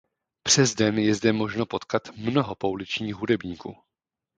Přes den je zde možno potkat mnoho pouličních hudebníků.